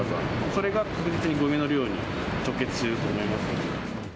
それが確実にごみの量に直結してると思います。